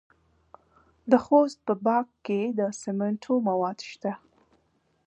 د خوست په باک کې د سمنټو مواد شته.